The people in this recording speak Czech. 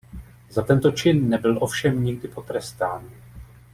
Za tento čin nebyl ovšem nikdy potrestán.